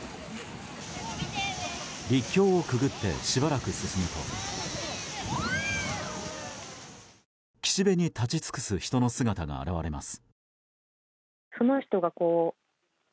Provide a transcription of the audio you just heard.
陸橋をくぐってしばらく進むと岸辺に立ち尽くす人の姿が現れます。